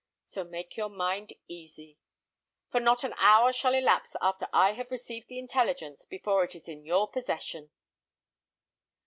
So make your mind easy, for not an hour shall elapse after I have received the intelligence before it is in your possession."